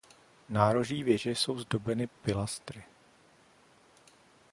Nároží věže jsou zdobeny pilastry.